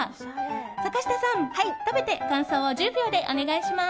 坂下さん、食べて感想を１０秒でお願いします！